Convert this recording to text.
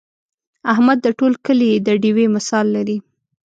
احمد د ټول کلي د ډېوې مثال لري.